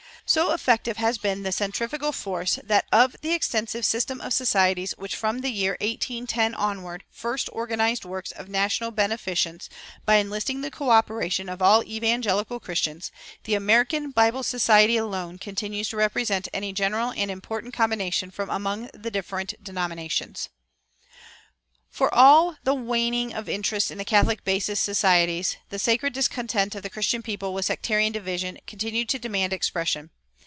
So effective has been the centrifugal force that of the extensive system of societies which from the year 1810 onward first organized works of national beneficence by enlisting the coöperation of "all evangelical Christians," the American Bible Society alone continues to represent any general and important combination from among the different denominations. For all the waning of interest in the "catholic basis" societies, the sacred discontent of the Christian people with sectarian division continued to demand expression.